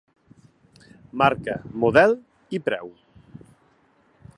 Marca, model i preu.